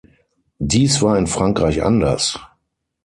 Dies war in Frankreich anders.